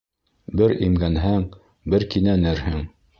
Бер имгәнһәң, бер кинәнерһең.